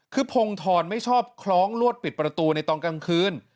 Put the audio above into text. คือพงธรไม่ชอบคล้องลวดปิดประตูในตอนกลางคืน